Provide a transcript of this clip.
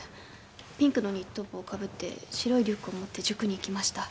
ピンクのニット帽をかぶって白いリュックを持って塾に行きました